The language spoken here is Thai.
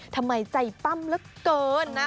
ทำไมใจปั้มละเกินนะ